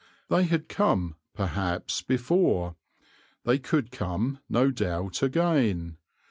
They had come, perhaps, before; they could come, no doubt, again.